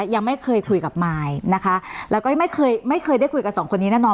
ยังไม่เคยคุยกับมายนะคะแล้วก็ไม่เคยไม่เคยได้คุยกับสองคนนี้แน่นอน